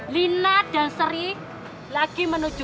lina dan sri lagi menuju